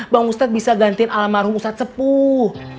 bang ustadz bisa gantiin alam arhum ustadz sepuh